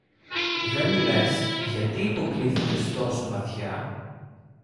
Δε μου λες, γιατί υποκλίθηκες τόσο βαθιά